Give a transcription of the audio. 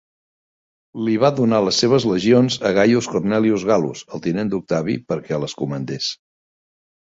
Li va donar les seves legions a Gaius Cornelius Gallus, el tinent d'Octavi, perquè les comandés.